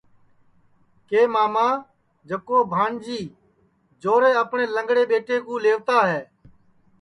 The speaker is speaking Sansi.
کہ ماما جکو بھانجی جورے اپٹؔے لنگڑے ٻیٹے کُو لئیوتا تیا